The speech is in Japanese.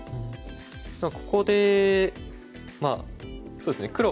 ここでそうですね